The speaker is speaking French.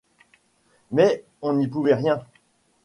Mais on n’y pouvait rien.